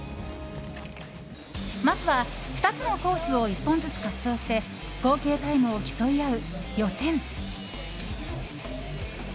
まずは２つのコースを１本ずつ滑走して合計タイムを競い合う予選。